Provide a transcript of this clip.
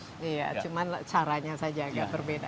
iya cuma caranya saja agak berbeda